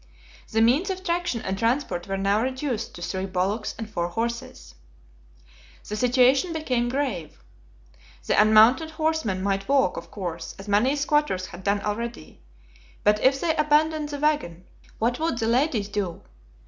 The means of traction and transport were now reduced to three bullocks and four horses. The situation became grave. The unmounted horsemen might walk, of course, as many squatters had done already; but if they abandoned the wagon, what would the ladies do?